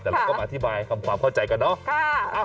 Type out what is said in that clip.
แต่เราก็มาอธิบายทำความเข้าใจกันเนาะ